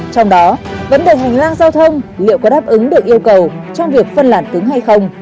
trong đó vấn đề hành lang giao thông liệu có đáp ứng được yêu cầu trong việc phân làn cứng hay không